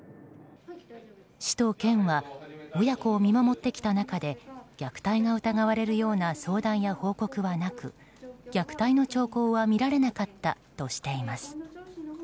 市と県は親子を見守ってきた中で虐待が疑われるような相談や報告はなく虐待の兆候は見られなかったとしています。